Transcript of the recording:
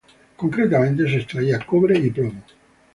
Concretamente se extraía cobre y plomo.